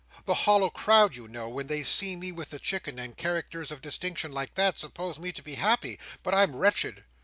The hollow crowd, you know, when they see me with the Chicken, and characters of distinction like that, suppose me to be happy; but I'm wretched.